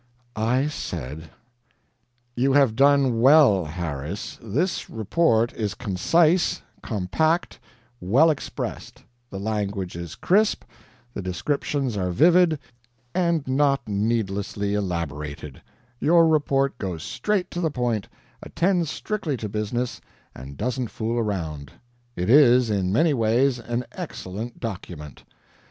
I said: "You have done well, Harris; this report is concise, compact, well expressed; the language is crisp, the descriptions are vivid and not needlessly elaborated; your report goes straight to the point, attends strictly to business, and doesn't fool around. It is in many ways an excellent document.